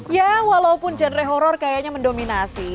ya walaupun genre horror kayaknya mendominasi